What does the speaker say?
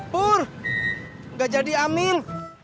pur nggak jadi amin